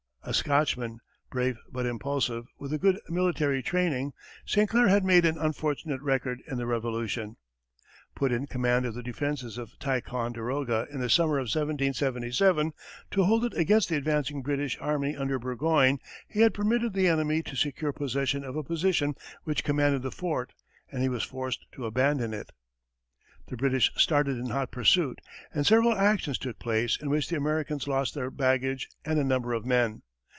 A Scotchman, brave but impulsive, with a good military training, St. Clair had made an unfortunate record in the Revolution. Put in command of the defenses of Ticonderoga in the summer of 1777, to hold it against the advancing British army under Burgoyne, he had permitted the enemy to secure possession of a position which commanded the fort, and he was forced to abandon it. The British started in hot pursuit, and several actions took place in which the Americans lost their baggage and a number of men.